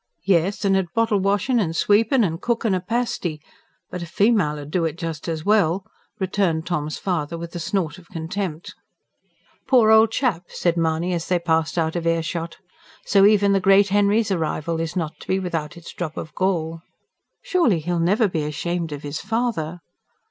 "Yes, an' at bottle washin' and sweepin' and cookin' a pasty. But a female 'ud do it just as well," returned Tom's father with a snort of contempt. "Poor old chap!" said Mahony, as they passed out of earshot. "So even the great Henry's arrival is not to be without its drop of gall." "Surely he'll never be ashamed of his father?"